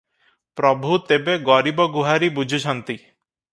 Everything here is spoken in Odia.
ପ୍ରଭୁ ତେବେ ଗରିବ ଗୁହାରୀ ବୁଝୁଛନ୍ତି?